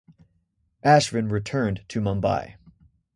Ashvin returned to Mumbai.